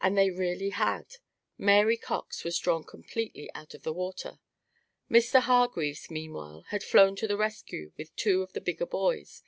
And they really had. Mary Cox was drawn completely out of the water. Mr. Hargreaves, meanwhile, had flown to the rescue with two of the bigger boys.